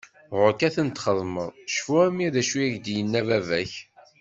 Ɣur-k ad tent-xedmeḍ!! Cfu a mmi d acu i d ak-yenna baba-k.